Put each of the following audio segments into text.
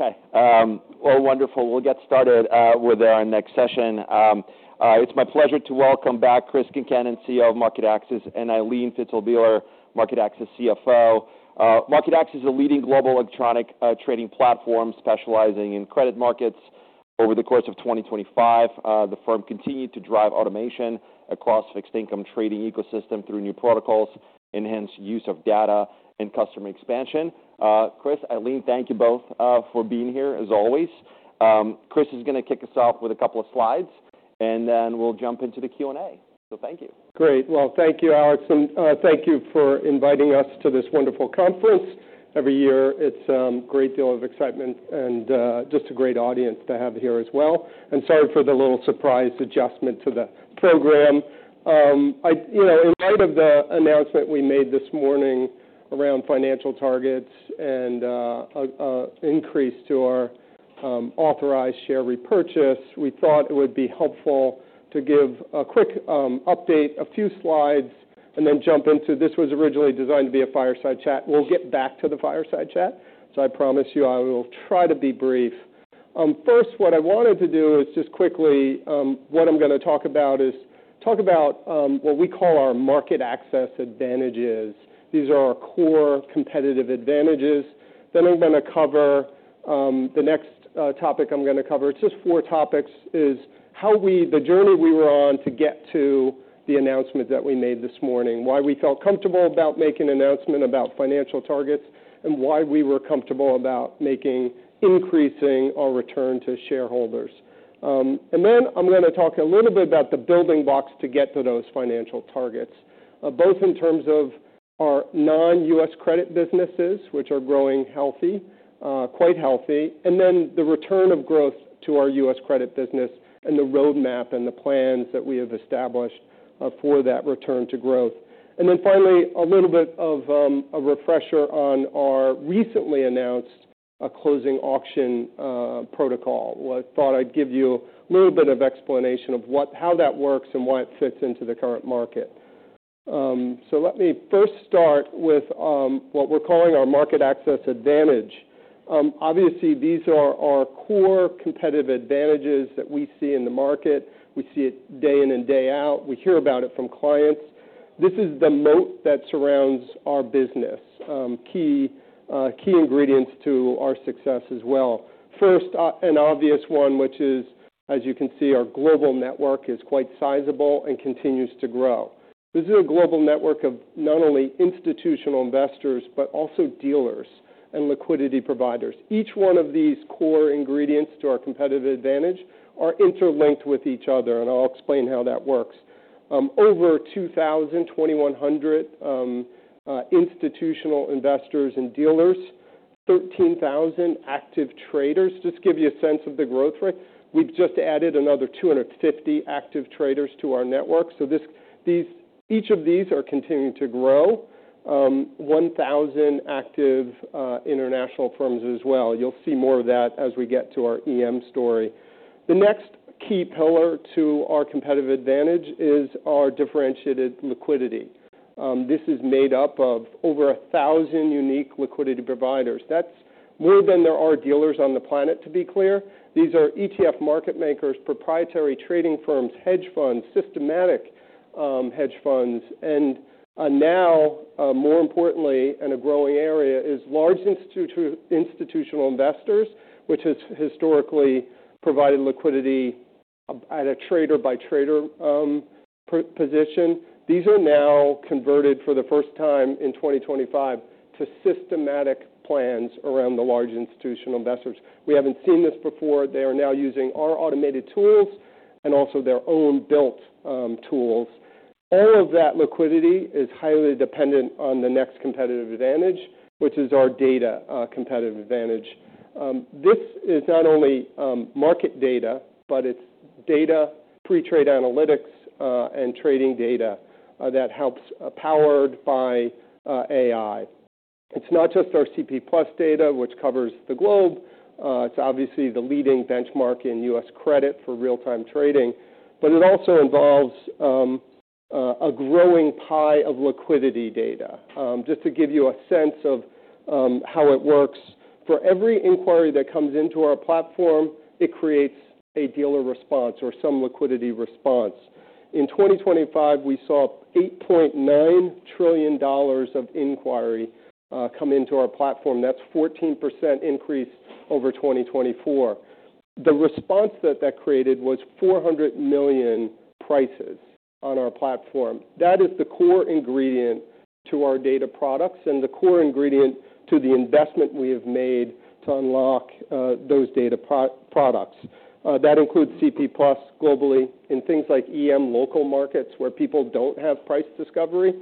Okay. Well, wonderful. We'll get started with our next session. It's my pleasure to welcome back Chris Concannon, CEO of MarketAxess, and Ilene Fiszel Bieler, MarketAxess CFO. MarketAxess is a leading global electronic trading platform specializing in credit markets. Over the course of 2025, the firm continued to drive automation across the fixed-income trading ecosystem through new protocols, enhanced use of data, and customer expansion. Chris, Ilene, thank you both for being here as always. Chris is gonna kick us off with a couple of slides, and then we'll jump into the Q&A, so thank you. Great. Well, thank you, Alex. And thank you for inviting us to this wonderful conference. Every year, it's a great deal of excitement and just a great audience to have here as well. And sorry for the little surprise adjustment to the program. I, you know, in light of the announcement we made this morning around financial targets and a increase to our authorized share repurchase, we thought it would be helpful to give a quick update, a few slides, and then jump into this was originally designed to be a fireside chat. We'll get back to the fireside chat. So I promise you I will try to be brief. First, what I wanted to do is just quickly what I'm gonna talk about is what we call our MarketAxess advantages. These are our core competitive advantages. Then I'm gonna cover the next topic I'm gonna cover. It's just four topics: how we, the journey we were on to get to the announcements that we made this morning, why we felt comfortable about making an announcement about financial targets, and why we were comfortable about making increasing our return to shareholders, and then I'm gonna talk a little bit about the building blocks to get to those financial targets, both in terms of our non-U.S. credit businesses, which are growing healthy, quite healthy, and then the return of growth to our U.S. credit business and the roadmap and the plans that we have established, for that return to growth, and then finally, a little bit of, a refresher on our recently announced, Closing Auction, protocol. I thought I'd give you a little bit of explanation of what, how that works and why it fits into the current market. So let me first start with what we're calling our MarketAxess advantage. Obviously, these are our core competitive advantages that we see in the market. We see it day in and day out. We hear about it from clients. This is the moat that surrounds our business, key, key ingredients to our success as well. First, an obvious one, which is, as you can see, our global network is quite sizable and continues to grow. This is a global network of not only institutional investors but also dealers and liquidity providers. Each one of these core ingredients to our competitive advantage are interlinked with each other, and I'll explain how that works. Over 2,000-2,100 institutional investors and dealers, 13,000 active traders. Just to give you a sense of the growth rate, we've just added another 250 active traders to our network. So these, each of these are continuing to grow, 1,000 active international firms as well. You'll see more of that as we get to our EM story. The next key pillar to our competitive advantage is our differentiated liquidity. This is made up of over 1,000 unique liquidity providers. That's more than there are dealers on the planet, to be clear. These are ETF market makers, proprietary trading firms, hedge funds, systematic hedge funds. And now, more importantly, a growing area is large institutional investors, which has historically provided liquidity at a trader-by-trader, per-position. These are now converted for the first time in 2025 to systematic plans around the large institutional investors. We haven't seen this before. They are now using our automated tools and also their own built tools. All of that liquidity is highly dependent on the next competitive advantage, which is our data competitive advantage. This is not only market data, but it's data, pre-trade analytics, and trading data that helps, powered by AI. It's not just our CP+ data, which covers the globe. It's obviously the leading benchmark in U.S. credit for real-time trading. But it also involves a growing pie of liquidity data. Just to give you a sense of how it works, for every inquiry that comes into our platform, it creates a dealer response or some liquidity response. In 2025, we saw $8.9 trillion of inquiry come into our platform. That's a 14% increase over 2024. The response that that created was $400 million prices on our platform. That is the core ingredient to our data products and the core ingredient to the investment we have made to unlock those data products. That includes CP+ globally in things like EM local markets where people don't have price discovery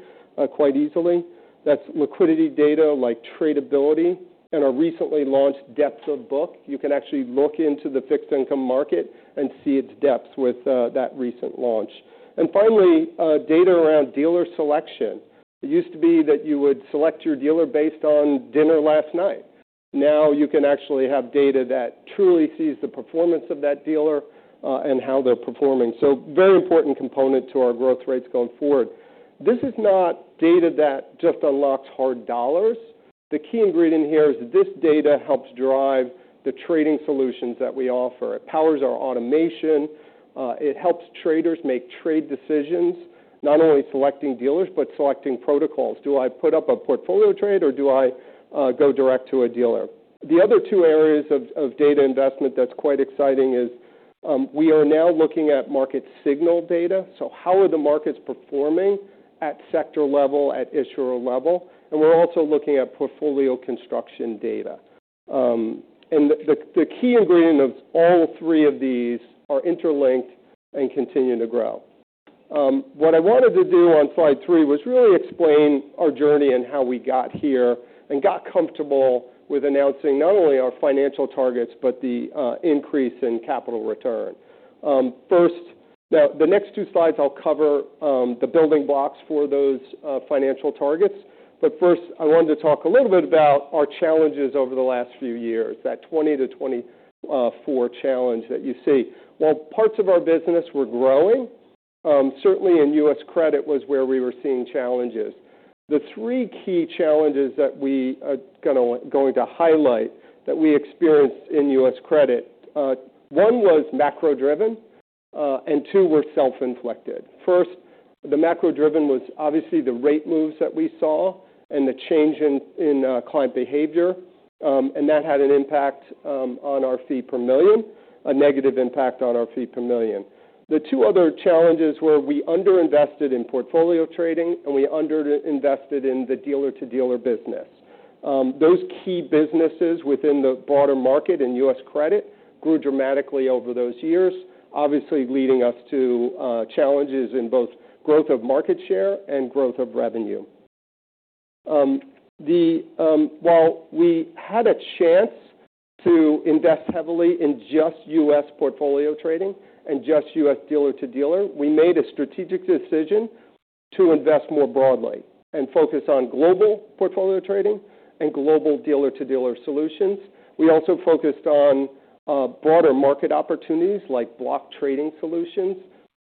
quite easily. That's liquidity data like tradability and our recently launched depth of book. You can actually look into the fixed income market and see its depth with that recent launch. And finally, data around dealer selection. It used to be that you would select your dealer based on dinner last night. Now you can actually have data that truly sees the performance of that dealer, and how they're performing. So very important component to our growth rates going forward. This is not data that just unlocks hard dollars. The key ingredient here is this data helps drive the trading solutions that we offer. It powers our automation. It helps traders make trade decisions, not only selecting dealers but selecting protocols. Do I put up a portfolio trade or do I go direct to a dealer? The other two areas of data investment that's quite exciting is we are now looking at market signal data. So how are the markets performing at sector level, at issuer level? And we're also looking at portfolio construction data. And the key ingredient of all three of these are interlinked and continue to grow. What I wanted to do on slide three was really explain our journey and how we got here and got comfortable with announcing not only our financial targets but the increase in capital return. First, now the next two slides I'll cover the building blocks for those financial targets. But first, I wanted to talk a little bit about our challenges over the last few years, that 2020-2024 challenge that you see. While parts of our business were growing, certainly in U.S. credit was where we were seeing challenges. The three key challenges that we are going to highlight that we experienced in U.S. credit, one was macro-driven, and two were self-inflicted. First, the macro-driven was obviously the rate moves that we saw and the change in client behavior. And that had an impact on our fee per million, a negative impact on our fee per million. The two other challenges were we underinvested in portfolio trading and we underinvested in the dealer-to-dealer business. Those key businesses within the broader market in U.S. credit grew dramatically over those years, obviously leading us to challenges in both growth of market share and growth of revenue. While we had a chance to invest heavily in just U.S. portfolio trading and just U.S. dealer-to-dealer, we made a strategic decision to invest more broadly and focus on global portfolio trading and global dealer-to-dealer solutions. We also focused on broader market opportunities like block trading solutions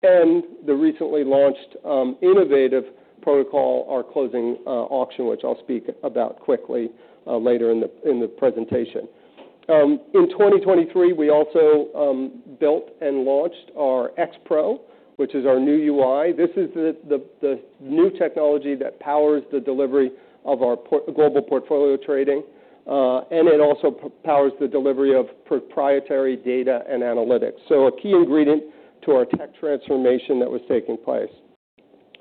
and the recently launched innovative protocol, our Closing Auction, which I'll speak about quickly later in the presentation. In 2023, we also built and launched our X-Pro, which is our new UI. This is the new technology that powers the delivery of our global portfolio trading, and it also powers the delivery of proprietary data and analytics. So a key ingredient to our tech transformation that was taking place.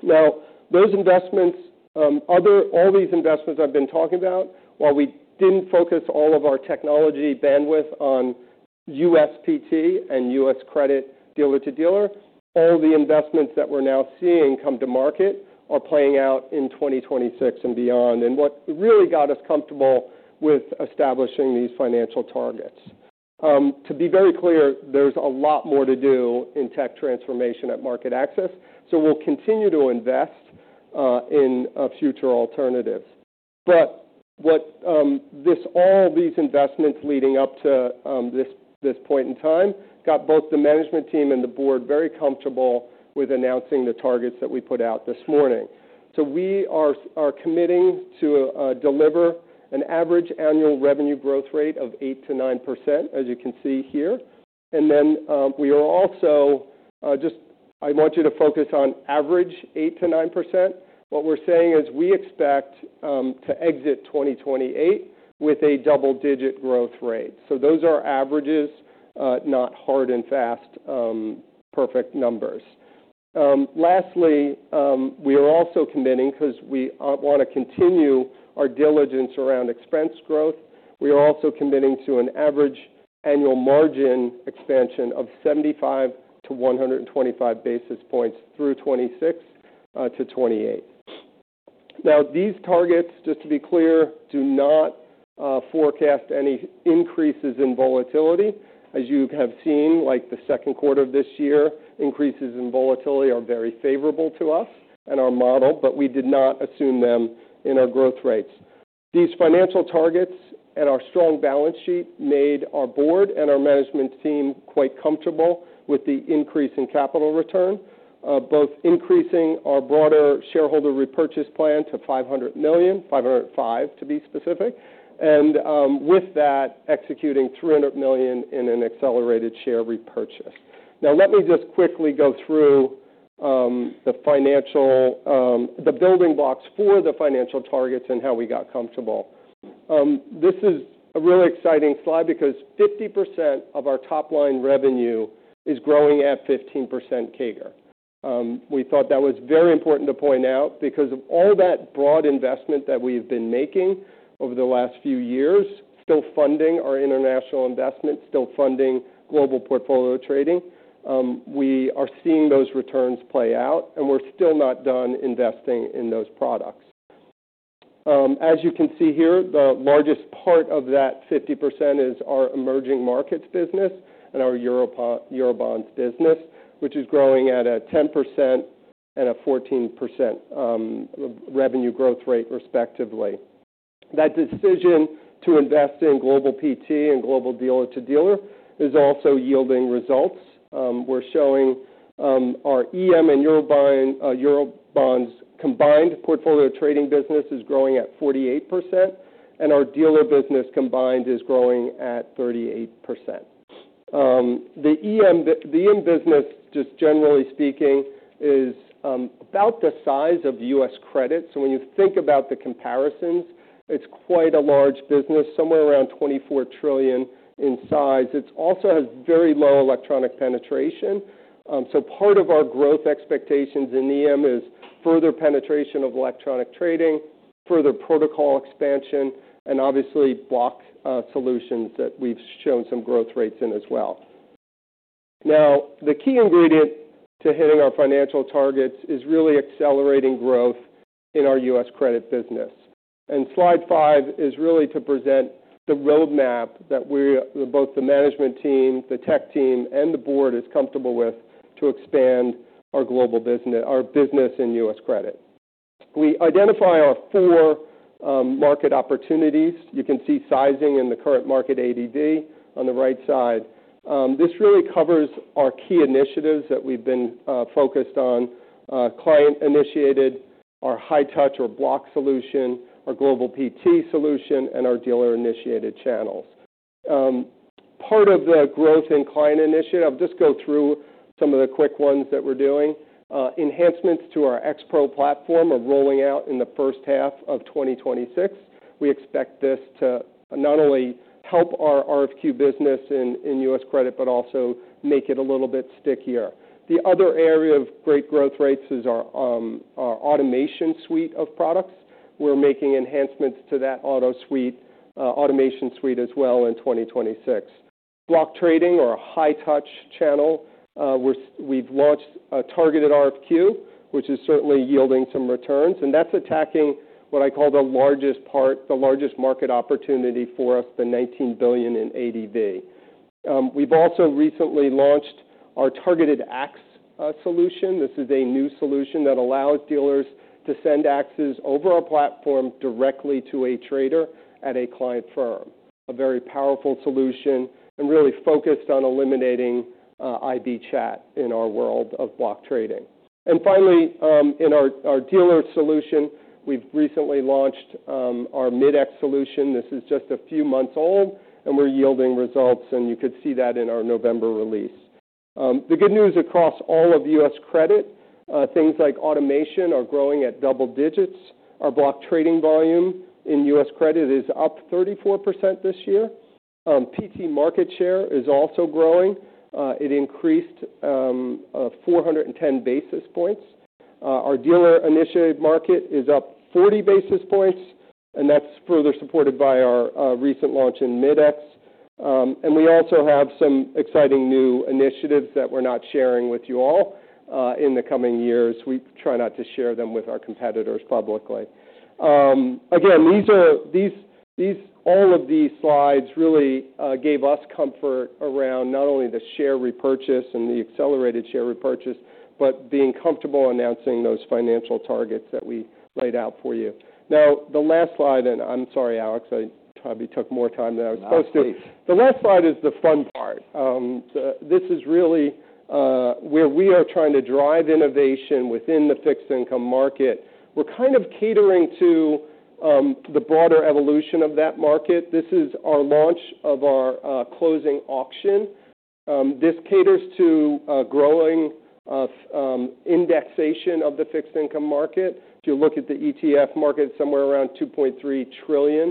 Now, those investments, all these investments I've been talking about, while we didn't focus all of our technology bandwidth on U.S. PT and U.S. credit dealer-to-dealer, all the investments that we're now seeing come to market are playing out in 2026 and beyond and what really got us comfortable with establishing these financial targets. To be very clear, there's a lot more to do in tech transformation at MarketAxess. So we'll continue to invest in future alternatives. But what all these investments leading up to this point in time got both the management team and the board very comfortable with announcing the targets that we put out this morning. We are committing to deliver an average annual revenue growth rate of 8%-9%, as you can see here. Then we are also just I want you to focus on average 8%-9%. What we're saying is we expect to exit 2028 with a double-digit growth rate. So those are averages, not hard and fast perfect numbers. Lastly, we are also committing 'cause we wanna continue our diligence around expense growth. We are also committing to an average annual margin expansion of 75-125 basis points through 2026 to 2028. Now, these targets, just to be clear, do not forecast any increases in volatility. As you have seen, like the second quarter of this year, increases in volatility are very favorable to us and our model, but we did not assume them in our growth rates. These financial targets and our strong balance sheet made our board and our management team quite comfortable with the increase in capital return, both increasing our broader shareholder repurchase plan to $500 million, $505 million to be specific, and, with that, executing $300 million in an accelerated share repurchase. Now, let me just quickly go through the financial building blocks for the financial targets and how we got comfortable. This is a really exciting slide because 50% of our top-line revenue is growing at 15% CAGR. We thought that was very important to point out because of all that broad investment that we've been making over the last few years, still funding our international investment, still funding global portfolio trading. We are seeing those returns play out, and we're still not done investing in those products. As you can see here, the largest part of that 50% is our emerging markets business and our Eurobonds business, which is growing at a 10% and a 14%, revenue growth rate respectively. That decision to invest in global PT and global dealer-to-dealer is also yielding results. We're showing, our EM and Eurobonds combined portfolio trading business is growing at 48%, and our dealer business combined is growing at 38%. The EM, the EM business, just generally speaking, is about the size of U.S. credit. So when you think about the comparisons, it's quite a large business, somewhere around $24 trillion in size. It also has very low electronic penetration, so part of our growth expectations in EM is further penetration of electronic trading, further protocol expansion, and obviously block solutions that we've shown some growth rates in as well. Now, the key ingredient to hitting our financial targets is really accelerating growth in our U.S. credit business, and slide 5 is really to present the roadmap that we're, both the management team, the tech team, and the board is comfortable with to expand our global business, our business in U.S. credit. We identify our four market opportunities. You can see sizing in the current market ADV on the right side. This really covers our key initiatives that we've been focused on: client-initiated, our high-touch or block solution, our global PT solution, and our dealer-initiated channels. Part of the growth in client-initiated, I'll just go through some of the quick ones that we're doing. Enhancements to our X-Pro platform are rolling out in the first half of 2026. We expect this to not only help our RFQ business in U.S. credit but also make it a little bit stickier. The other area of great growth rates is our automation suite of products. We're making enhancements to that automation suite as well in 2026. For block trading or a high-touch channel, we've launched a Targeted RFQ, which is certainly yielding some returns, and that's attacking what I call the largest market opportunity for us, the $19 billion in ADV. We've also recently launched our Targeted axes solution. This is a new solution that allows dealers to send axes over our platform directly to a trader at a client firm, a very powerful solution and really focused on eliminating IB Chat in our world of block trading. And finally, in our dealer solution, we've recently launched our Mid-X solution. This is just a few months old, and we're yielding results, and you could see that in our November release. The good news across all of U.S. credit, things like automation are growing at double digits. Our block trading volume in U.S. credit is up 34% this year. PT market share is also growing. It increased 410 basis points. Our dealer-initiated market is up 40 basis points, and that's further supported by our recent launch in Mid-X. And we also have some exciting new initiatives that we're not sharing with you all, in the coming years. We try not to share them with our competitors publicly. Again, these are, all of these slides really gave us comfort around not only the share repurchase and the accelerated share repurchase but being comfortable announcing those financial targets that we laid out for you. Now, the last slide, and I'm sorry, Alex, I probably took more time than I was supposed to. The last slide is the fun part. This is really where we are trying to drive innovation within the fixed-income market. We're kind of catering to the broader evolution of that market. This is our launch of our Closing Auction. This caters to growing indexation of the fixed-income market. If you look at the ETF market, somewhere around $2.3 trillion,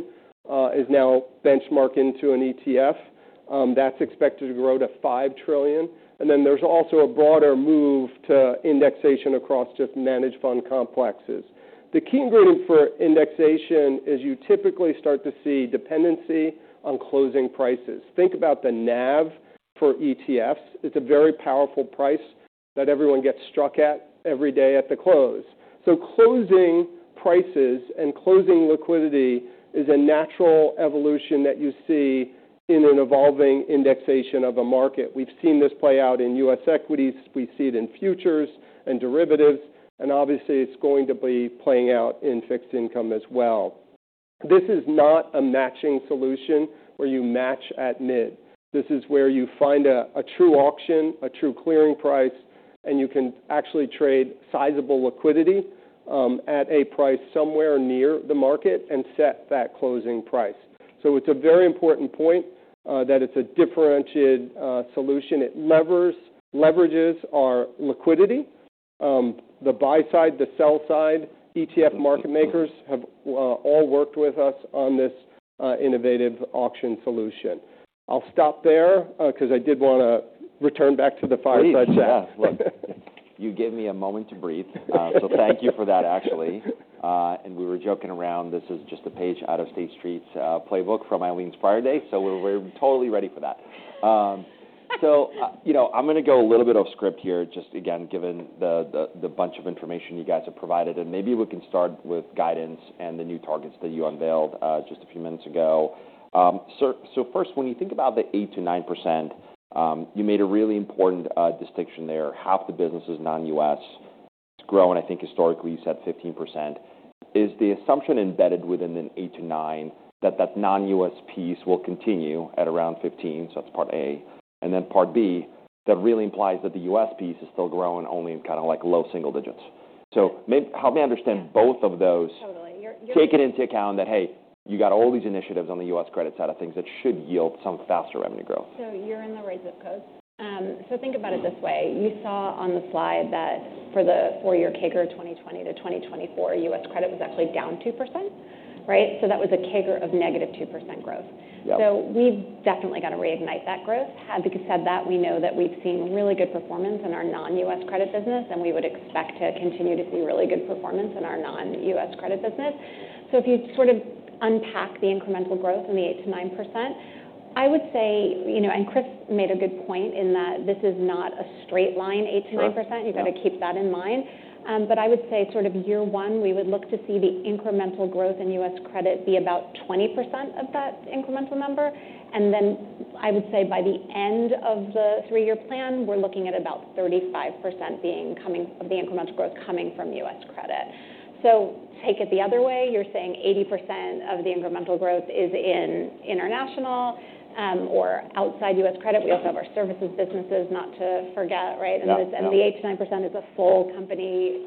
is now benchmarking to an ETF. That's expected to grow to $5 trillion. And then there's also a broader move to indexation across just managed fund complexes. The key ingredient for indexation is you typically start to see dependency on closing prices. Think about the NAV for ETFs. It's a very powerful price that everyone gets struck at every day at the close. So closing prices and closing liquidity is a natural evolution that you see in an evolving indexation of a market. We've seen this play out in U.S. equities. We see it in futures and derivatives, and obviously, it's going to be playing out in fixed income as well. This is not a matching solution where you match at mid. This is where you find a true auction, a true clearing price, and you can actually trade sizable liquidity at a price somewhere near the market and set that closing price. So it's a very important point that it's a differentiated solution. It leverages our liquidity, the buy side, the sell side. ETF market makers all worked with us on this innovative auction solution. I'll stop there, 'cause I did wanna return back to the fireside chat. Look, you gave me a moment to breathe, so thank you for that, actually. We were joking around. This is just a page out of State Street's playbook from Ilene's prior day, so we're totally ready for that. So, you know, I'm gonna go a little bit off script here, just again, given the bunch of information you guys have provided, and maybe we can start with guidance and the new targets that you unveiled just a few minutes ago. Sir, so first, when you think about the 8%-9%, you made a really important distinction there. Half the business is non-U.S., growing, I think, historically, you said 15%. Is the assumption embedded within the 8%-9% that that non-U.S. piece will continue at around 15%? So that's part A. And then part B, that really implies that the U.S. piece is still growing only in kinda like low single digits. So may help me understand both of those. Totally. You're. Taking into account that, hey, you got all these initiatives on the U.S. credit side of things that should yield some faster revenue growth. So you're in the right zip code. So think about it this way. You saw on the slide that for the four-year CAGR 2020 to 2024, U.S. credit was actually down 2%, right? So that was a CAGR of negative 2% growth. Yep. So we've definitely gotta reignite that growth. Having said that, we know that we've seen really good performance in our non-U.S. credit business, and we would expect to continue to see really good performance in our non-U.S. credit business. So if you sort of unpack the incremental growth in the 8% to 9%, I would say, you know, and Chris made a good point in that this is not a straight line 8% to 9%. You gotta keep that in mind. But I would say sort of year one, we would look to see the incremental growth in U.S. credit be about 20% of that incremental number. And then I would say by the end of the three-year plan, we're looking at about 35% being coming of the incremental growth coming from U.S. credit. So take it the other way. You're saying 80% of the incremental growth is in international, or outside U.S. credit. We also have our services businesses, not to forget, right? And this. And the 8%-9% is a full company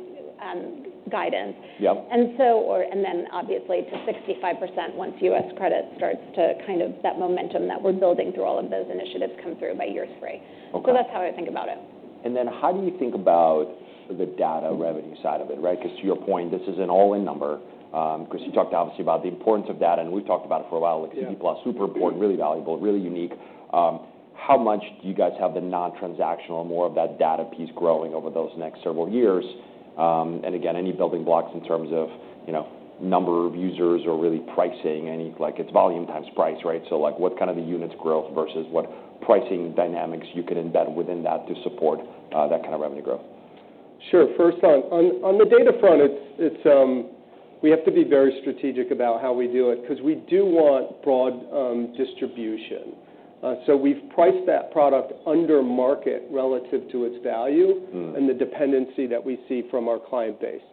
guidance. Yep. And so, or, and then obviously to 65% once U.S. credit starts to kind of that momentum that we're building through all of those initiatives come through by year three. Okay. So that's how I think about it. And then how do you think about the data revenue side of it, right? ‘Cause to your point, this is an all-in number. ‘Cause you talked obviously about the importance of data, and we’ve talked about it for a while. Like CP+, super important, really valuable, really unique. How much do you guys have the non-transactional, more of that data piece growing over those next several years? And again, any building blocks in terms of, you know, number of users or really pricing, any like it’s volume times price, right? So like what kind of the units growth versus what pricing dynamics you can embed within that to support that kind of revenue growth? Sure. First off, on the data front, it’s we have to be very strategic about how we do it ‘cause we do want broad distribution, so we’ve priced that product under market relative to its value. Mm-hmm. And the dependency that we see from our client base.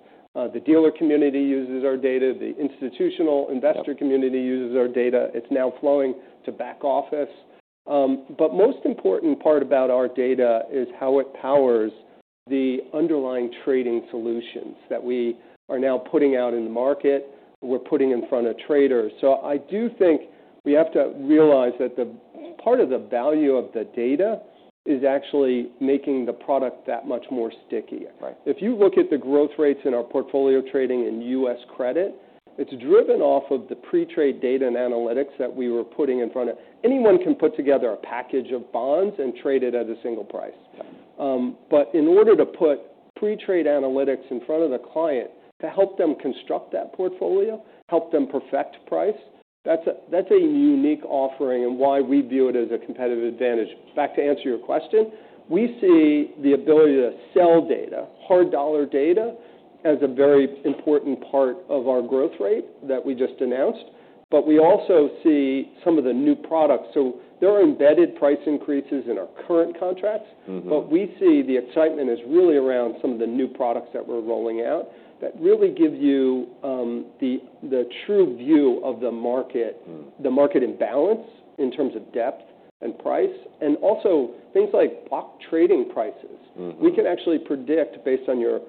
The dealer community uses our data. The institutional investor community uses our data. It's now flowing to back office, but most important part about our data is how it powers the underlying trading solutions that we are now putting out in the market. We're putting in front of traders. So I do think we have to realize that the part of the value of the data is actually making the product that much more sticky. Right. If you look at the growth rates in our portfolio trading in U.S. credit, it's driven off of the pre-trade data and analytics that we were putting in front of anyone can put together a package of bonds and trade it at a single price. But in order to put pre-trade analytics in front of the client to help them construct that portfolio, help them perfect price, that's a unique offering and why we view it as a competitive advantage. Back to answer your question, we see the ability to sell data, hard dollar data as a very important part of our growth rate that we just announced, but we also see some of the new products. So there are embedded price increases in our current contracts. But we see the excitement is really around some of the new products that we're rolling out that really give you the true view of the market, the market imbalance in terms of depth and price, and also things like block trading prices. We can actually predict based on your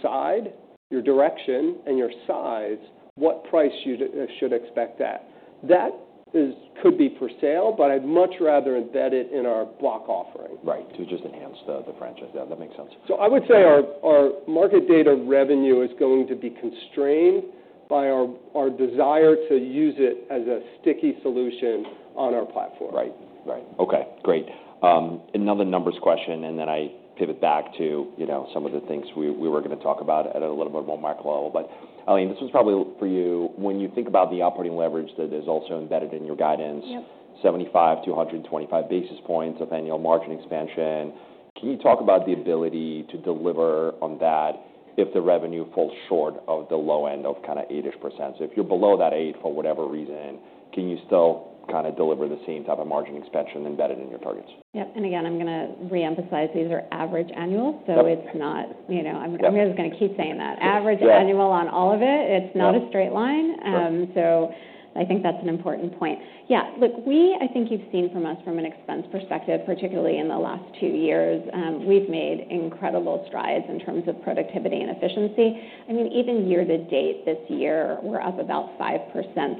side, your direction, and your size, what price you should expect at. That is, could be for sale, but I'd much rather embed it in our block offering. Right. To just enhance the franchise. Yeah. That makes sense. So I would say our market data revenue is going to be constrained by our desire to use it as a sticky solution on our platform. Right. Right. Okay. Great. Another numbers question, and then I pivot back to, you know, some of the things we were gonna talk about at a little bit more micro level. But Ilene, this was probably for you. When you think about the operating leverage that is also embedded in your guidance. Yep. 75-125 basis points of annual margin expansion. Can you talk about the ability to deliver on that if the revenue falls short of the low end of kinda 80ish percent? So if you're below that eight for whatever reason, can you still kinda deliver the same type of margin expansion embedded in your targets? Yep, and again, I'm gonna reemphasize, these are average annual. So it's not, you know, I'm just gonna keep saying that. Average annual on all of it. It's not a straight line, so I think that's an important point. Yeah. Look, we, I think you've seen from us from an expense perspective, particularly in the last two years, we've made incredible strides in terms of productivity and efficiency. I mean, even year to date this year, we're up about 5%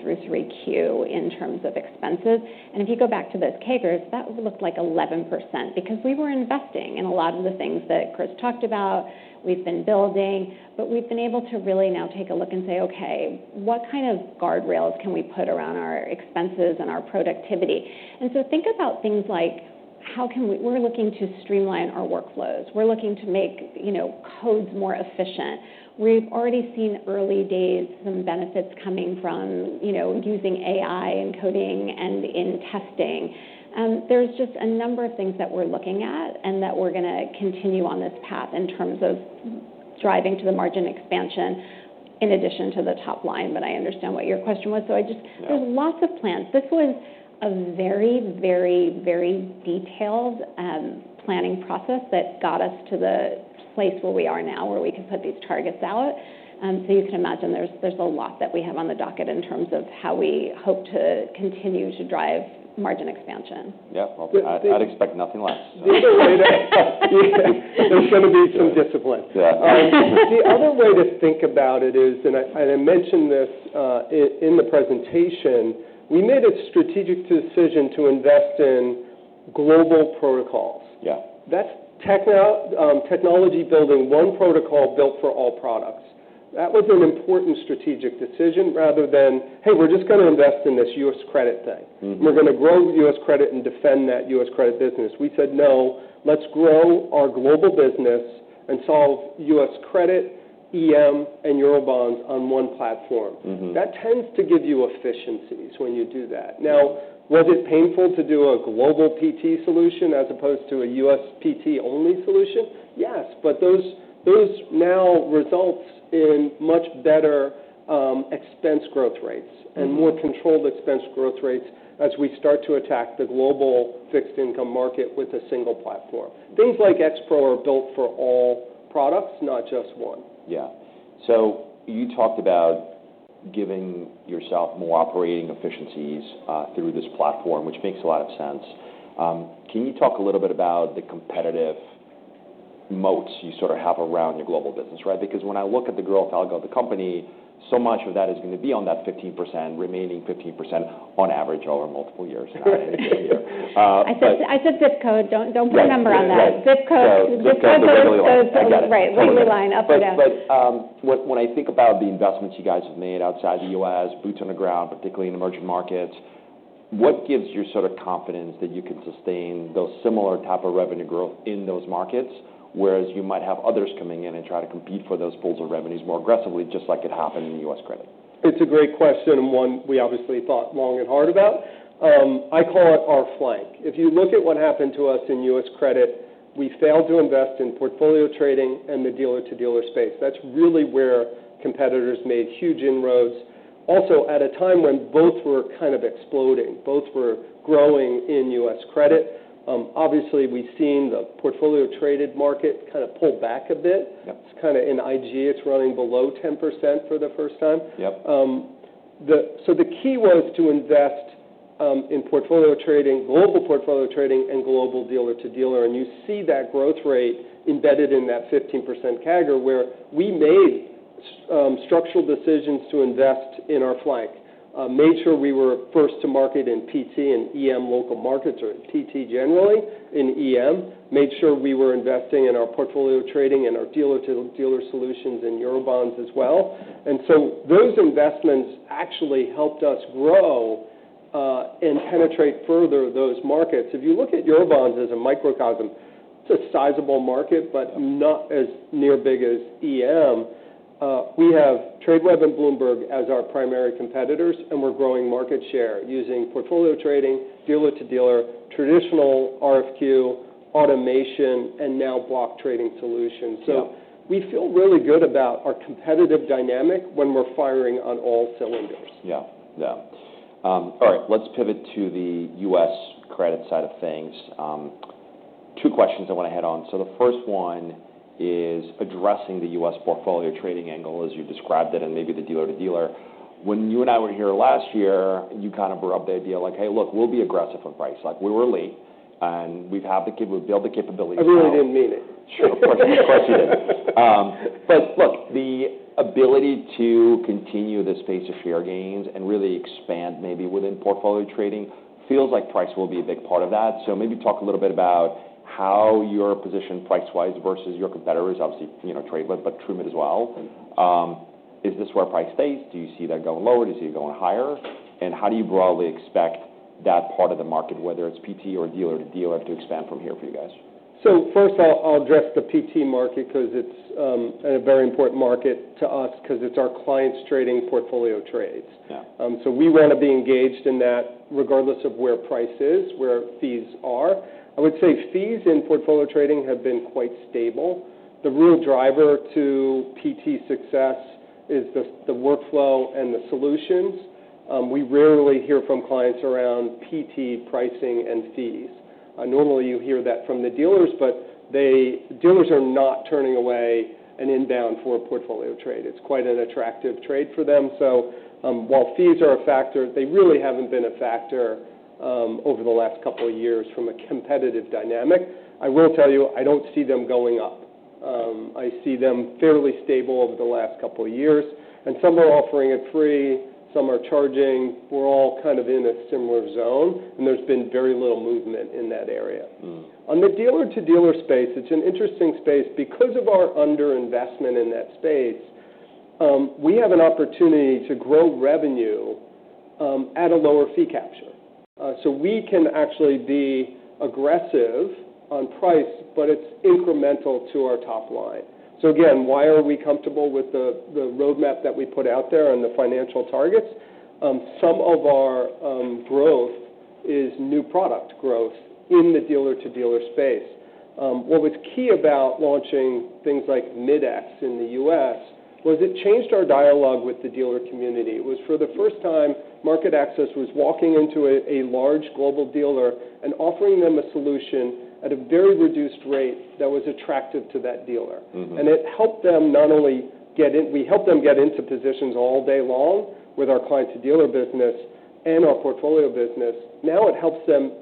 through 3Q in terms of expenses, and if you go back to those CAGRs, that would look like 11% because we were investing in a lot of the things that Chris talked about. We've been building, but we've been able to really now take a look and say, okay, what kind of guardrails can we put around our expenses and our productivity? And so think about things like how can we? We're looking to streamline our workflows. We're looking to make, you know, codes more efficient. We've already seen early days some benefits coming from, you know, using AI in coding and in testing. There's just a number of things that we're looking at and that we're gonna continue on this path in terms of driving to the margin expansion in addition to the top line. But I understand what your question was. So I just, there's lots of plans. This was a very, very, very detailed planning process that got us to the place where we are now where we could put these targets out. So you can imagine there's a lot that we have on the docket in terms of how we hope to continue to drive margin expansion. Yep. I'll be honest. I'd expect nothing less. Yeah. There's gonna be some discipline. Yeah. The other way to think about it is, and I mentioned this in the presentation, we made a strategic decision to invest in global protocols. Yeah. That's the technology building one protocol built for all products. That was an important strategic decision rather than, hey, we're just gonna invest in this U.S. credit thing. Mm-hmm. We're gonna grow U.S. credit and defend that U.S. credit business. We said, no, let's grow our global business and solve U.S. credit, EM, and Eurobonds on one platform. Mm-hmm. That tends to give you efficiencies when you do that. Now, was it painful to do a global PT solution as opposed to a U.S. PT only solution? Yes. But those, those now results in much better expense growth rates and more controlled expense growth rates as we start to attack the global fixed-income market with a single platform. Things like X-Pro are built for all products, not just one. Yeah. So you talked about giving yourself more operating efficiencies through this platform, which makes a lot of sense. Can you talk a little bit about the competitive moats you sort of have around your global business, right? Because when I look at the growth algo, the company, so much of that is gonna be on that 15% remaining 15% on average over multiple years. Right. I said, I said Zip Code. Don't, don't put a number on that. Zip Code. Zip Code. Zip Code. Legally aligned. Right. Legally aligned. Up or down. But when I think about the investments you guys have made outside the U.S., boots on the ground, particularly in emerging markets, what gives you sort of confidence that you can sustain those similar type of revenue growth in those markets, whereas you might have others coming in and try to compete for those pools of revenues more aggressively, just like it happened in U.S. credit? It's a great question and one we obviously thought long and hard about. I call it our flank. If you look at what happened to us in U.S. credit, we failed to invest in portfolio trading and the dealer-to-dealer space. That's really where competitors made huge inroads. Also, at a time when both were kind of exploding, both were growing in U.S. credit, obviously we've seen the portfolio traded market kinda pull back a bit. Yep. It's kinda in IG, it's running below 10% for the first time. Yep. So the key was to invest in portfolio trading, global portfolio trading, and global dealer-to-dealer, and you see that growth rate embedded in that 15% CAGR where we made structural decisions to invest in our platform, made sure we were first to market in PT and EM local markets or PT generally in EM, made sure we were investing in our portfolio trading and our dealer-to-dealer solutions and Eurobonds as well, and so those investments actually helped us grow and penetrate further those markets. If you look at Eurobonds as a microcosm, it's a sizable market, but not nearly as big as EM. We have Tradeweb and Bloomberg as our primary competitors, and we're growing market share using portfolio trading, dealer-to-dealer, traditional RFQ automation, and now block trading solutions. So we feel really good about our competitive dynamic when we're firing on all cylinders. Yeah. Yeah. All right. Let's pivot to the U.S. credit side of things. Two questions I wanna head on. So the first one is addressing the U.S. portfolio trading angle as you described it and maybe the dealer-to-dealer. When you and I were here last year, you kind of brought up the idea like, hey, look, we'll be aggressive on price. Like we were late and we've had the cap, we've built the capability for. I really didn't mean it. Sure. Of course, of course you didn't. But look, the ability to continue the space of share gains and really expand maybe within portfolio trading feels like price will be a big part of that. So maybe talk a little bit about how your position price-wise versus your competitors, obviously, you know, Tradeweb, but Trumid as well. Is this where price stays? Do you see that going lower? Do you see it going higher? And how do you broadly expect that part of the market, whether it's PT or dealer-to-dealer, to expand from here for you guys? So first, I'll address the PT market 'cause it's a very important market to us 'cause it's our clients trading portfolio trades. Yeah. So we wanna be engaged in that regardless of where price is, where fees are. I would say fees in portfolio trading have been quite stable. The real driver to PT success is the workflow and the solutions. We rarely hear from clients around PT pricing and fees. Normally you hear that from the dealers, but the dealers are not turning away an inbound for a portfolio trade. It's quite an attractive trade for them. So, while fees are a factor, they really haven't been a factor over the last couple of years from a competitive dynamic. I will tell you, I don't see them going up. I see them fairly stable over the last couple of years, and some are offering it free, some are charging. We're all kind of in a similar zone, and there's been very little movement in that area. Mm-hmm. On the dealer-to-dealer space, it's an interesting space because of our underinvestment in that space. We have an opportunity to grow revenue at a lower fee capture so we can actually be aggressive on price, but it's incremental to our top line. Again, why are we comfortable with the roadmap that we put out there and the financial targets? Some of our growth is new product growth in the dealer-to-dealer space. What was key about launching things like Mid-X in the U.S. was it changed our dialogue with the dealer community. It was for the first time MarketAxess was walking into a large global dealer and offering them a solution at a very reduced rate that was attractive to that dealer. Mm-hmm. It helped them not only get in. We helped them get into positions all day long with our client-to-dealer business and our portfolio business. Now it helps them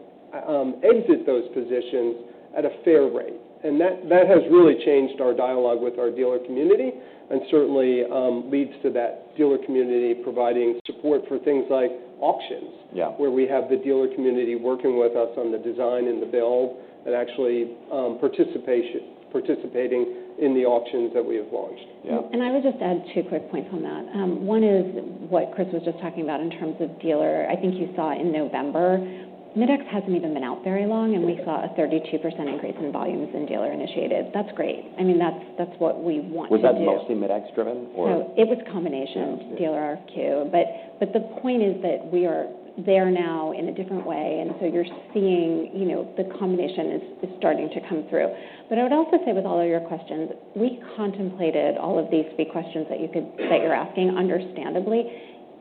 exit those positions at a fair rate. That has really changed our dialogue with our dealer community and certainly leads to that dealer community providing support for things like auctions. Yeah. Where we have the dealer community working with us on the design and the build and actually participating in the auctions that we have launched. Yeah. And I would just add two quick points on that. One is what Chris was just talking about in terms of dealer. I think you saw in November, Mid-X hasn't even been out very long, and we saw a 32% increase in volumes in dealer-initiated. That's great. I mean, that's what we want to see. Was that mostly Mid-X driven or? No, it was a combination of dealer RFQ. But the point is that we are there now in a different way. And so you're seeing, you know, the combination is starting to come through. But I would also say with all of your questions, we contemplated all of these three questions that you could, that you're asking, understandably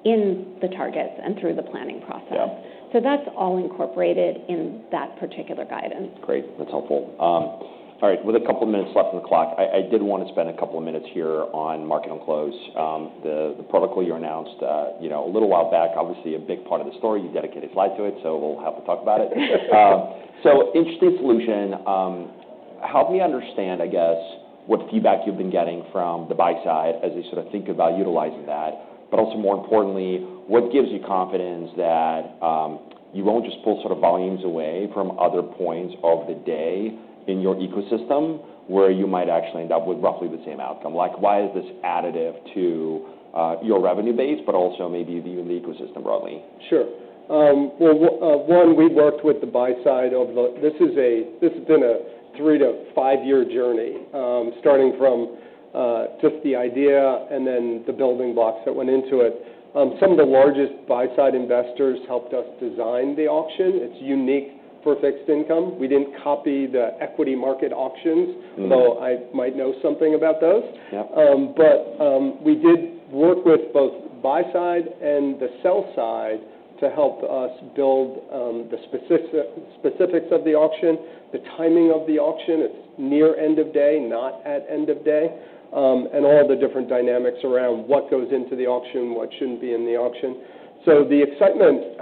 in the targets and through the planning process. Yeah. So that's all incorporated in that particular guidance. Great. That's helpful. All right. With a couple of minutes left on the clock, I did wanna spend a couple of minutes here on Market-on-Close. The protocol you announced, you know, a little while back, obviously a big part of the story. You dedicated slide to it, so we'll have to talk about it. So interesting solution. Help me understand, I guess, what feedback you've been getting from the buy side as they sort of think about utilizing that. But also, more importantly, what gives you confidence that you won't just pull sort of volumes away from other points of the day in your ecosystem where you might actually end up with roughly the same outcome? Like, why is this additive to your revenue base, but also maybe even the ecosystem broadly? Sure. Well, one, we've worked with the buy side over the years. This is a. This has been a three to five-year journey, starting from just the idea and then the building blocks that went into it. Some of the largest buy side investors helped us design the auction. It's unique for fixed income. We didn't copy the equity market auctions, although I might know something about those. Yep. But we did work with both buy side and the sell side to help us build the specifics of the auction, the timing of the auction. It's near end of day, not at end of day, and all the different dynamics around what goes into the auction, what shouldn't be in the auction. So the excitement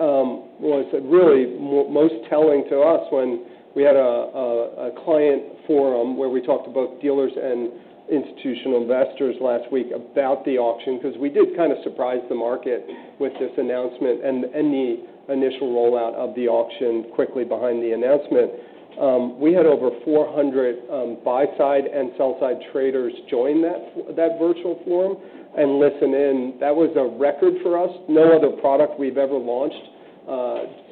was really most telling to us when we had a client forum where we talked to both dealers and institutional investors last week about the auction 'cause we did kind of surprise the market with this announcement and the initial rollout of the auction quickly behind the announcement. We had over 400 buy side and sell side traders join that virtual forum and listen in. That was a record for us. No other product we've ever launched,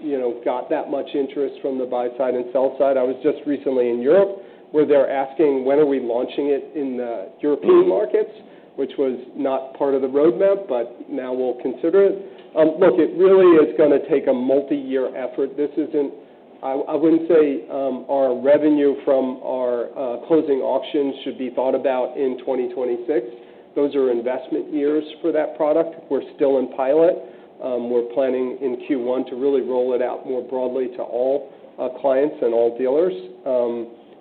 you know, got that much interest from the buy side and sell side. I was just recently in Europe where they're asking, when are we launching it in the European markets, which was not part of the roadmap, but now we'll consider it. Look, it really is gonna take a multi-year effort. This isn't. I wouldn't say our revenue from our Closing Auction should be thought about in 2026. Those are investment years for that product. We're still in pilot. We're planning in Q1 to really roll it out more broadly to all clients and all dealers.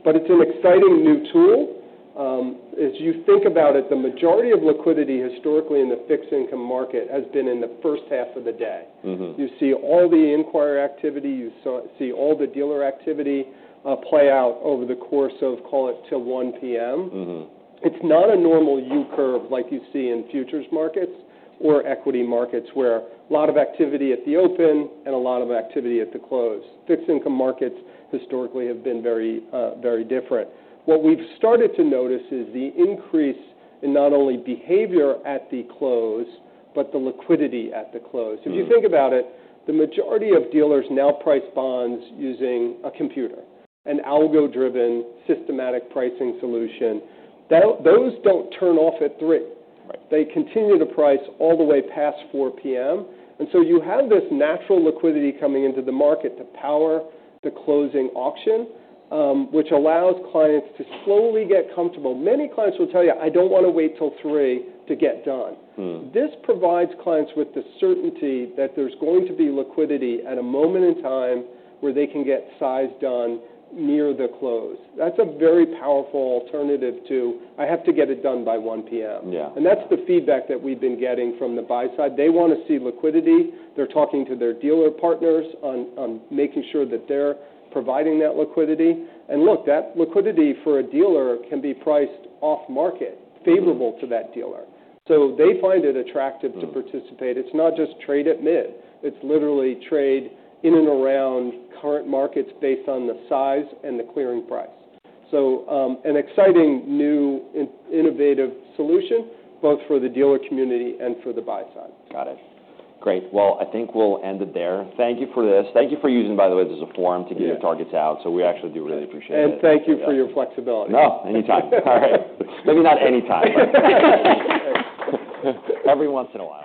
But it's an exciting new tool. As you think about it, the majority of liquidity historically in the fixed income market has been in the first half of the day. Mm-hmm. You see all the inquiry activity. You saw, see all the dealer activity play out over the course of, call it till 1:00 P.M. Mm-hmm. It's not a normal U-curve like you see in futures markets or equity markets where a lot of activity at the open and a lot of activity at the close. Fixed income markets historically have been very, very different. What we've started to notice is the increase in not only behavior at the close, but the liquidity at the close. If you think about it, the majority of dealers now price bonds using a computer, an algo-driven systematic pricing solution. Those don't turn off at 3:00 P.M. Right. They continue to price all the way past 4:00 P.M. And so you have this natural liquidity coming into the market to power the Closing Auction, which allows clients to slowly get comfortable. Many clients will tell you, "I don't wanna wait till 3:00 P.M. to get done. This provides clients with the certainty that there's going to be liquidity at a moment in time where they can get size done near the close. That's a very powerful alternative to, "I have to get it done by 1:00 P.M." Yeah. And that's the feedback that we've been getting from the buy side. They wanna see liquidity. They're talking to their dealer partners on making sure that they're providing that liquidity. And look, that liquidity for a dealer can be priced off market favorable to that dealer. So they find it attractive to participate. It's not just trade at mid. It's literally trade in and around current markets based on the size and the clearing price. So, an exciting new innovative solution both for the dealer community and for the buy side. Got it. Great. Well, I think we'll end it there. Thank you for this. Thank you for using, by the way, this as a forum to get your targets out. So we actually do really appreciate it. And thank you for your flexibility. No. Anytime. All right. Maybe not anytime. Every once in a while.